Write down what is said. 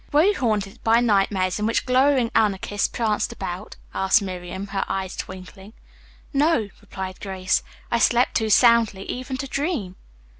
"Were you haunted by nightmares in which glowering Anarchists pranced about?" asked Miriam, her eyes twinkling. "No," replied Grace. "I slept too soundly even to dream."